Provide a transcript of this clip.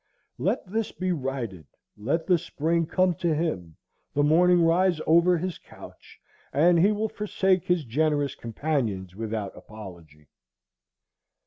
Let this be righted, let the spring come to him, the morning rise over his couch, and he will forsake his generous companions without apology.